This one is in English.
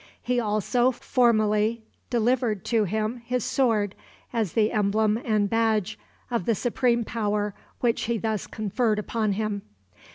He also formally delivered to him his sword as the emblem and badge of the supreme power which he thus conferred upon him.